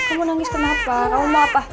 kamu nangis kenapa kamu mau apa